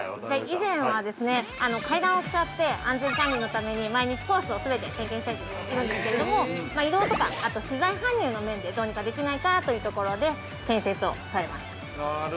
◆以前は階段を使って安全管理のために毎日コースを全て点検していたんですけども移動とか、あと資材搬入の面でどうにかできないかというところで建設をされました。